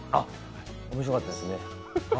面白かったですね。